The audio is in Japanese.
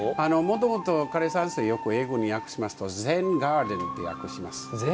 もともと枯山水よく英語に訳しますと「Ｚｅｎｇａｒｄｅｎ」って訳します。